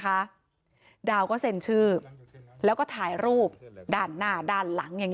ดาวก็เซ็นชื่อแล้วก็ถ่ายรูปด้านหน้าด้านหลังอย่างนี้